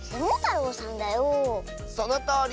そのとおり！